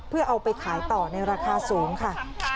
เพื่อเอาไปขายต่อในราคาสูงค่ะ